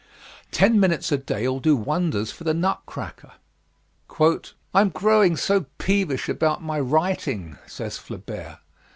Ten minutes a day will do wonders for the nut cracker. "I am growing so peevish about my writing," says Flaubert.